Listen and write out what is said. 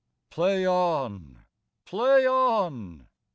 ]PLAY on! Play on!